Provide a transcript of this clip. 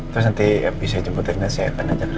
terus nanti bisa jemput rena saya akan ajak rena jalan jalan